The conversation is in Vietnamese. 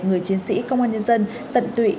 người chiến sĩ công an nhân dân tận tụy